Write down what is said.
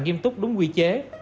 nghiêm túc đúng quy chế